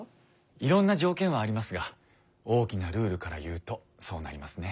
いろんな条件はありますが大きなルールから言うとそうなりますね。